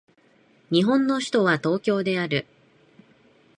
日本の首都は東京である